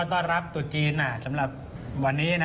ก็ต้อนรับถูทจีนสำหรับวันนี้นะ